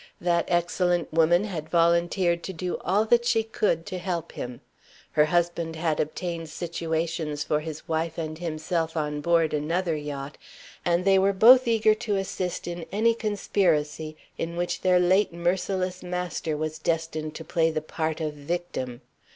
That excellent woman had volunteered to do all that she could to help him. Her husband had obtained situations for his wife and himself on board another yacht and they were both eager to assist in any conspiracy in which their late merciless master was destined to play the part of victim.